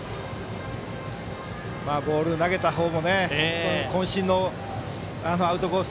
ボール投げた方もこん身のアウトコース